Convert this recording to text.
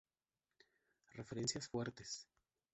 Referencias Fuentes